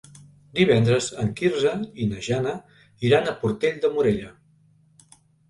Divendres en Quirze i na Jana iran a Portell de Morella.